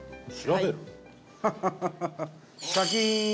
シャキーン！